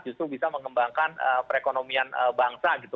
justru bisa mengembangkan perekonomian bangsa gitu